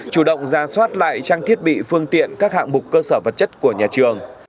chủ động ra soát lại trang thiết bị phương tiện các hạng mục cơ sở vật chất của nhà trường